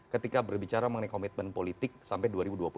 ketika berbicara mengenai komitmen politik sampai dua ribu dua puluh empat